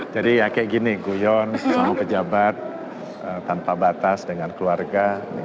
jadi ya kayak gini kuyon sama pejabat tanpa batas dengan keluarga